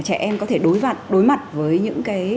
trẻ em có thể đối mặt với những